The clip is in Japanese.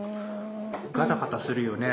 ガタガタするよね？